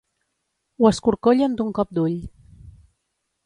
Ho escorcollen d'un cop d'ull.